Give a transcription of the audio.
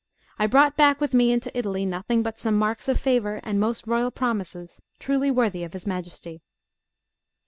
I brought back with me into Italy nothing but some marks of favour and most royal promises, truly worthy of his Majesty.